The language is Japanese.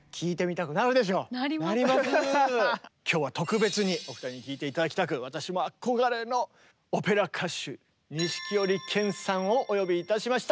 今日は特別にお二人に聴いて頂きたく私も憧れのオペラ歌手錦織健さんをお呼びいたしました。